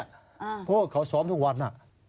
เพราะว่าเขาสอบทุกวันน่ะ